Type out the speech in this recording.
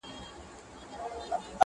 په ګاونډ کي پاچاهان او دربارونه٫